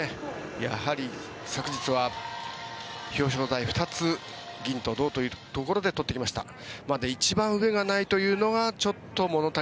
やはり昨日は表彰台２つ、銀と銅というところで取ってきました。